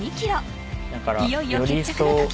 いよいよ決着の時。